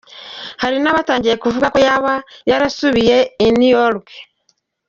Hari n’abatangiye kuvuga ko yaba yarasubiye i New York.